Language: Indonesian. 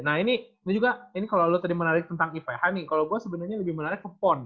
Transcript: nah ini ini juga kalo lu tadi menarik tentang ifehani kalo gua sebenernya lebih menarik ke pon